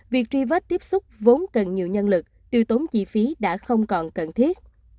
việc truy vết tiếp xúc vốn cần nhiều nhân lực tiêu tốn chi phí đã không còn cần thiết